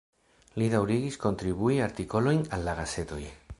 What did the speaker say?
Li daŭrigis kontribui artikolojn al la gazetoj.